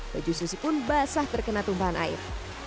baju susi pun basah terkena tumpahan air